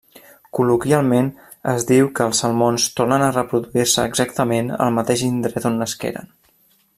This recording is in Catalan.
Col·loquialment es diu que els salmons tornen a reproduir-se exactament al mateix indret on nasqueren.